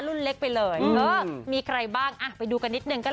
เล็กไปเลยเออมีใครบ้างอ่ะไปดูกันนิดนึงกัน